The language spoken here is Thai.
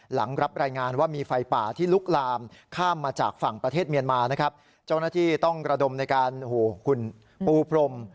หลังรับรายงานว่ามีไฟป่าที่ลุกลามข้ามมาจากฝั่งประเทศเมียนมานะครับเจ้าหน้าที่ต้องระดมในการปูพรม